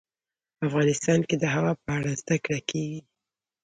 افغانستان کې د هوا په اړه زده کړه کېږي.